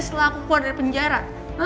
setelah aku keluar dari penjara